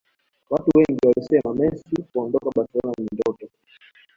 Watu wengi walisema Messi kuondoka Barcelona ni ndoto